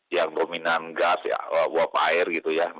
yang dominan gas ya uap air gitu ya